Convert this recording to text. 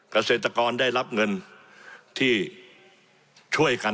เกษตรกรได้รับเงินที่ช่วยกัน